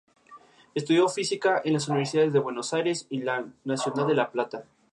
Al final de la velada fue coronada como Miss Venezuela Universo.